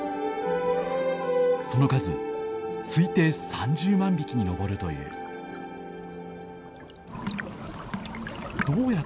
その数推定３０万匹に上るという。